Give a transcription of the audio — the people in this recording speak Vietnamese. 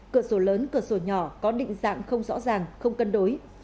cửa sổ lớn cửa sổ nhỏ có định dạng không rõ ràng không cân đối